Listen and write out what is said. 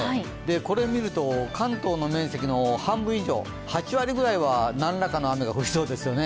これを見ると関東の面積の半分以上８割くらいは何らかの雨が降りそうですよね。